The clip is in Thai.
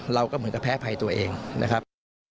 เราก็เหมือนกับแพ้ภัยตัวเองนะครับ